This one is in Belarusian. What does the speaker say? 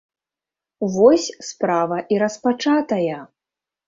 Вось, справа і распачатая.